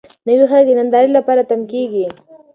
نوي خلک د نندارې لپاره تم کېږي.